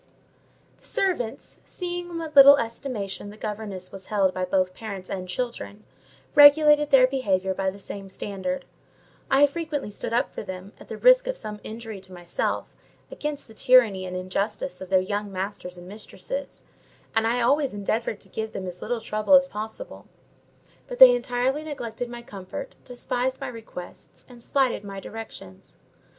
The servants, seeing in what little estimation the governess was held by both parents and children, regulated their behaviour by the same standard. I have frequently stood up for them, at the risk of some injury to myself, against the tyranny and injustice of their young masters and mistresses; and I always endeavoured to give them as little trouble as possible: but they entirely neglected my comfort, despised my requests, and slighted my directions.